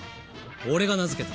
俺が名付けた。